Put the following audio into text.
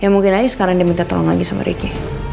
ya mungkin aja sekarang diminta tolong lagi sama ricky